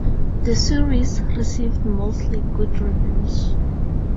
The series received mostly good reviews.